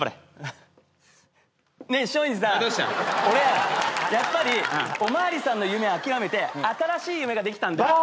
俺やっぱりお巡りさんの夢諦めて新しい夢ができたんだ。